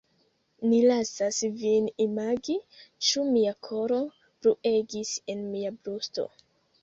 Mi lasas vin imagi, ĉu mia koro bruegis en mia brusto.